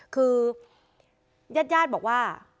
คือญาติญาติบอกว่า